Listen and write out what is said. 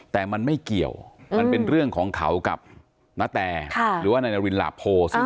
แต่มันไม่เกี่ยวมันเป็นเรื่องของเขากับนาแตหรือว่านายนารินหลาโพซึ่ง